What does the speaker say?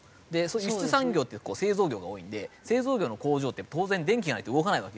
輸出産業って製造業が多いので製造業の工場って当然電気がないと動かないわけですよ。